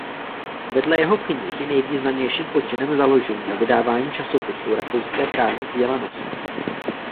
Vedle jeho knih je nejvýznamnějším počinem založení a vydávání časopisu rakouské právní vzdělanosti.